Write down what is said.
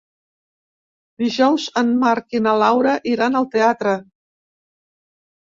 Dijous en Marc i na Laura iran al teatre.